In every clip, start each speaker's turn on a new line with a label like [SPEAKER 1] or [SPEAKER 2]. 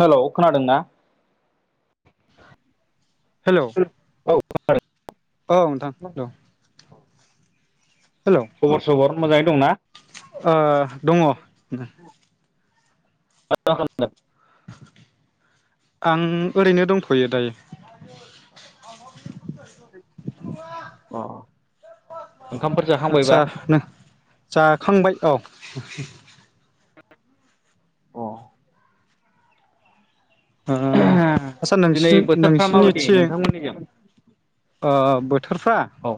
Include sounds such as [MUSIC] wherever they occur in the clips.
[SPEAKER 1] हेल' खोनादों ना।
[SPEAKER 2] हेल'।
[SPEAKER 1] [UNINTELLIGIBLE]
[SPEAKER 2] औ नोंथां औ हेल' ओ
[SPEAKER 1] खबर सबर मोजाङै दंना?
[SPEAKER 2] दङ।
[SPEAKER 1] [UNINTELLIGIBLE]
[SPEAKER 2] आं ओरैनो दंथ'यो दायो।
[SPEAKER 1] अ ओंखामफोर जाखांबायबा?
[SPEAKER 2] आदसा नों जाखांबाय औ। ओ आत्सा
[SPEAKER 1] दिनै
[SPEAKER 2] नोंसिनि
[SPEAKER 1] बोथोरफ्रा माबायदि
[SPEAKER 2] नोंसिनिथिं
[SPEAKER 1] नोंथांमोननिजों?
[SPEAKER 2] ओ बोथोरफ्रा
[SPEAKER 1] औ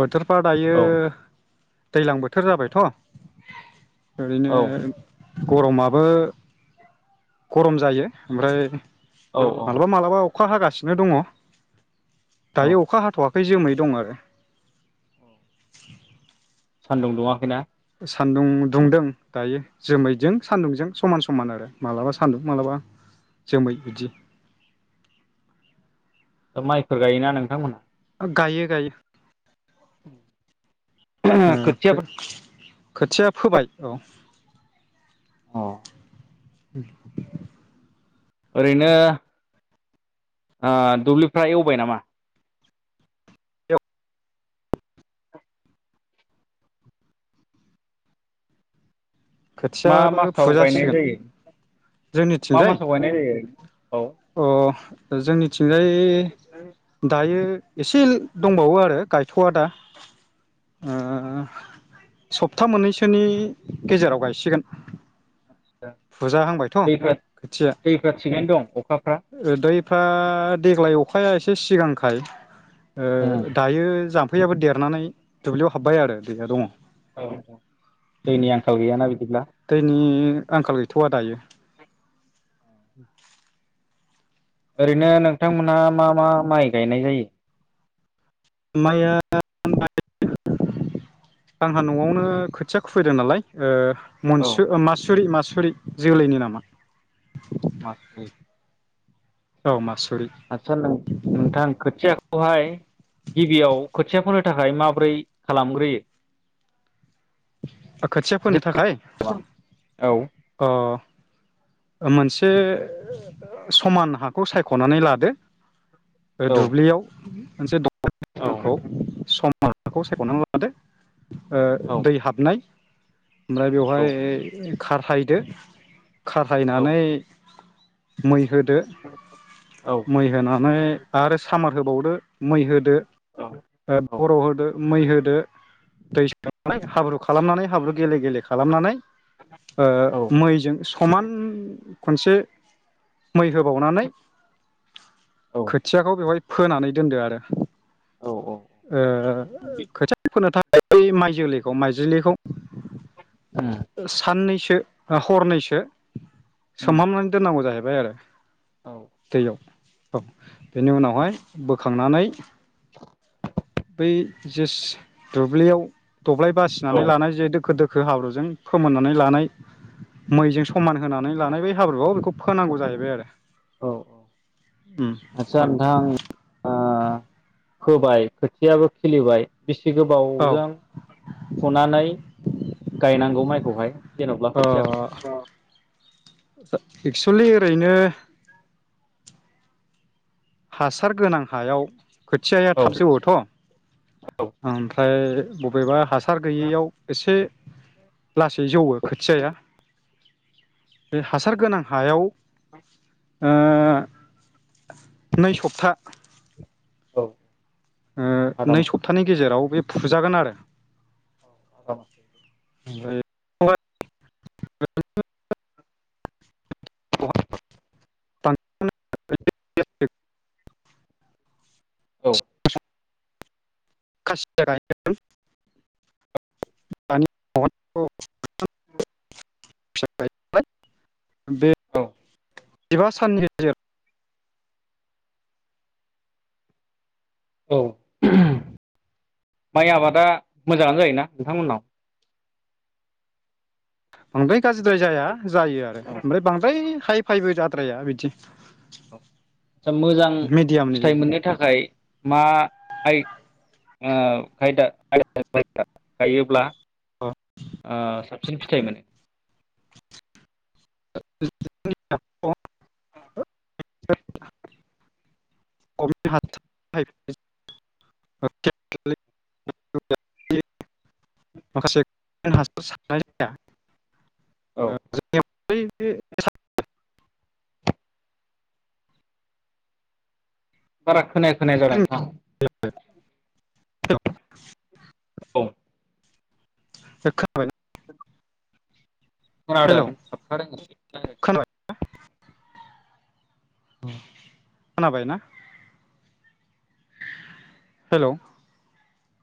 [SPEAKER 2] बोथोरफ्रा दायो
[SPEAKER 1] औ
[SPEAKER 2] दैलां बोथोर जाबायथ' ओरैनो
[SPEAKER 1] औ
[SPEAKER 2] गरमाबो गरम जायो ओमफ्राय
[SPEAKER 1] औ औ
[SPEAKER 2] मालाबा मालाबा अ खा हागासिनो दङ।
[SPEAKER 1] औ
[SPEAKER 2] दायो अखा हाथ'वा खै जोमै दं आरो।
[SPEAKER 1] सान्दुं दुङाखैना?
[SPEAKER 2] सान्दुं दुंदों दायो जोमैजों सान्दुंजों समान समान आरो मालाबा सान्दुं माबलाबा जोमै बिदि।
[SPEAKER 1] माइफोर गायोना नोंथांमोन?
[SPEAKER 2] गायो गायो।
[SPEAKER 1] उम
[SPEAKER 2] ओ खो खोथिया फोबाय औ।
[SPEAKER 1] औ
[SPEAKER 2] [INAUDIBLE]
[SPEAKER 1] ओरैनो ओ दुब्लिफ्रा एवबाय नामा?
[SPEAKER 2] बेयाव
[SPEAKER 1] मा
[SPEAKER 2] खोथियाबो
[SPEAKER 1] मासाव गायनाय
[SPEAKER 2] फुजासिगोन
[SPEAKER 1] जायो मा
[SPEAKER 2] जोंनिथिंजाय
[SPEAKER 1] मासाव गायनाय जायो ओरैनो? औ
[SPEAKER 2] अ जोंनिथिंजाय दायो एसे दंबावो आरो गायथ'वा दा ओ सप्ता मोननैसोनि गेजेराव गायसिगोन। फुजाहांबायथ'
[SPEAKER 1] दैफ्रा
[SPEAKER 2] खोथिया
[SPEAKER 1] दैफ्रा थिगैनो दं अखाफ्रा
[SPEAKER 2] दैफ्रा देग्लाय अखाया एसे सिगांखाय ओ
[SPEAKER 1] उम
[SPEAKER 2] दायो जाम फैयाबो देरनानै दुब्लियाव हाब्बाय आरो दैया दङ।
[SPEAKER 1] गोयाना बिदिब्ला।
[SPEAKER 2] दैनि आंखाल गैथ'वा दायो। [INAUDIBLE]
[SPEAKER 1] ओरैनो नोंथांमोनहा मा मा माइ गायनाय जायो?
[SPEAKER 2] माइया आंहा न'आवनो खोथिया खुबैदों नालाय ओ‌
[SPEAKER 1] औ
[SPEAKER 2] मनसु मासुरि मा सरि जोलैनि नामा?
[SPEAKER 1] मासुरि,
[SPEAKER 2] औ मास
[SPEAKER 1] आतसा नोंथां खोथिया खौहाय गिबियाव खोथिया फोनो थाखाय माबोरै खालामग्रोयो?
[SPEAKER 2] खोथिया फोनो थाखाय
[SPEAKER 1] औ
[SPEAKER 2] अ मोनसे समान हाखौ सायख'नानै लादो। ओ
[SPEAKER 1] औ
[SPEAKER 2] दुब्लियाव मोनसे द
[SPEAKER 1] औ
[SPEAKER 2] [UNINTELLIGIBLE] सम माबाखौ सायख'नानै लादो। ओ
[SPEAKER 1] औ
[SPEAKER 2] दै [INAUDIBLE] ओमफ्राय बेवहाय
[SPEAKER 1] औ
[SPEAKER 2] खारहायदो।
[SPEAKER 1] औ
[SPEAKER 2] खारहायनानै मोय होदो
[SPEAKER 1] औ
[SPEAKER 2] मै होनानै आरो स सामार होबावदो मै होदो। ओ बर' होदो मै होदो। दै [UNINTELLIGIBLE] हाब्रु खालामनानै हाब्रु गेले गेले खालामनानै। ओ‌ मैजों समान। खनसे मै होबावनानै। खोथियाखौ बेवहाय। फोनानै दोनदो आरो। ओ खोथिया फोनो थाख बे माइ जोलैखौ माइ दिलेखौ ओ साननैस ओ बा हरनैसो सोमहामनानै दोननांगौ जाहैब बायआरो दैयाव ओ बेनि उनावहाय बोखांनानै बै जेस दुब्लियाव दब्लाय
[SPEAKER 1] औ
[SPEAKER 2] बासिनानै
[SPEAKER 1] औ
[SPEAKER 2] लानाय जिहेथु खो दोखो हाब्रुजों फोमोननानै लानाय मैजों समान होनानै लानाय बै हाब्रुआव बेखौ फोनांगौ जाहैबाय आरो उम
[SPEAKER 1] आदसा नोंथां ओ फोबाय खोथियाबो खिलिबाय बिसि
[SPEAKER 2] औ
[SPEAKER 1] गोबावजों फुनानै गायनांगौ माइ खौहाय जेन'ब्ला
[SPEAKER 2] ओ
[SPEAKER 1] खोथियाखौ
[SPEAKER 2] एक्सुलि ओरैनो हासार गोनां हायाव खोथियाया
[SPEAKER 1] औ
[SPEAKER 2] थाब जौओ थ'
[SPEAKER 1] औ
[SPEAKER 2] ओमफ्राय बबेबा हासार गैयियाव एसे लासै जौवो खोथियाया बे हासार गोनां हायाव ओ नै सप्ता
[SPEAKER 1] औ
[SPEAKER 2] ओ
[SPEAKER 1] आदा
[SPEAKER 2] नै सप्तानि गेजेराव बे फुजागोन आरो
[SPEAKER 1] अ
[SPEAKER 2] [UNINTELLIGIBLE] [UNINTELLIGIBLE]
[SPEAKER 1] औ
[SPEAKER 2] [UNINTELLIGIBLE] बे जिबा साननि गेजेर
[SPEAKER 1] औ माइ आबादा मोजाङानो जायोना नोंथांमोननाव
[SPEAKER 2] बांद्राय गाज्रिद्राय जाया जायो आरो ओमफ्राय बांद्राय फाय फायबो जाद्राया बिदि
[SPEAKER 1] ओ मोजां फिथाइ मोननो थाखाय मा आइ ओ खायदा आयदा खायदा गायोब्ला ओ साबसिन फिथाइ मोनो
[SPEAKER 2] [UNINTELLIGIBLE] [UNINTELLIGIBLE] ओ जोंनियाव
[SPEAKER 1] औ
[SPEAKER 2] बै बे [UNINTELLIGIBLE]
[SPEAKER 1] बारा खोनाया खोनाया जादों नोंथां
[SPEAKER 2] [UNINTELLIGIBLE]
[SPEAKER 1] औ
[SPEAKER 2] ए खोनाबाय ना
[SPEAKER 1] खोनादों थाबथादों एसे
[SPEAKER 2] खोनाबाय
[SPEAKER 1] रायलायनाया
[SPEAKER 2] अ खोना बायना हेलौ